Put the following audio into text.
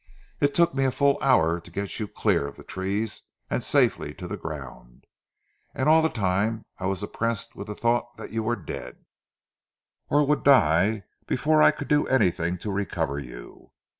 It took me a full hour to get you clear of the trees and safely to the ground, and all the time I was oppressed with the thought that you were dead, or would die before I could do anything to recover you.